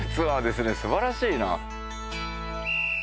すばらしいな。